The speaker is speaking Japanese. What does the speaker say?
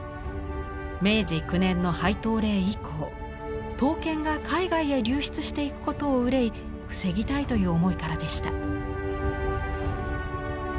明治９年の廃刀令以降刀剣が海外へ流出していくことを憂い防ぎたいという思いからでした。